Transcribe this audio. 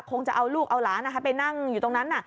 คงจะเอาลูกเอาหลานไปนั่งอยู่ตรงนั้น